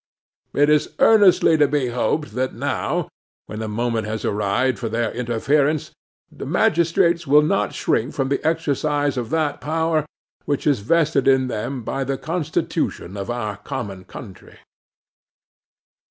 It is earnestly to be hoped that now, when the moment has arrived for their interference, the magistrates will not shrink from the exercise of that power which is vested in them by the constitution of our common country.